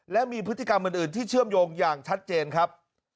และมีพฤติกรรมอื่นที่เชื่อมโยงอย่างชัดเจนครับ